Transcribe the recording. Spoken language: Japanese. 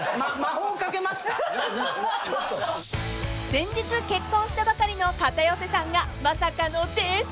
［先日結婚したばかりの片寄さんがまさかの泥酔］